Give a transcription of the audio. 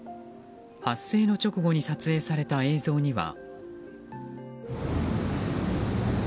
発生の直後に撮影された映像には。